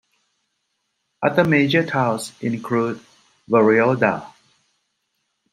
Other major towns include Warialda.